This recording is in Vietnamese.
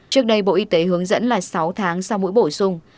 trước đây bộ y tế hướng dẫn là sáu tháng sau mũi bổ sung